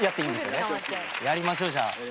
やりましょうじゃあ。